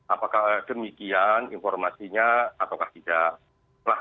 apakah demikian informasinya atau tidak